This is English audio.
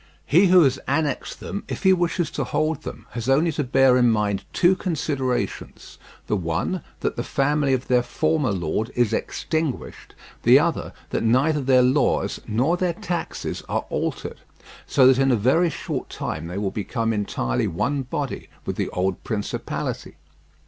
He who has annexed them, if he wishes to hold them, has only to bear in mind two considerations: the one, that the family of their former lord is extinguished; the other, that neither their laws nor their taxes are altered, so that in a very short time they will become entirely one body with the old principality.